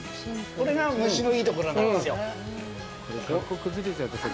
これが蒸しのいいところなんですよ。